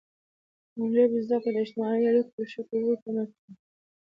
د ژبې زده کړه د اجتماعي اړیکو په ښه کولو کې مرسته کوي.